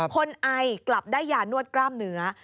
ไอกลับได้ยานวดกล้ามเนื้อ